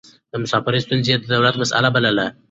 د مسافرو ستونزې يې د دولت مسئله بلله.